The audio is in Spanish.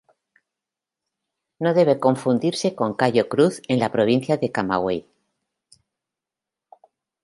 No debe confundirse con Cayo Cruz en la provincia de Camagüey.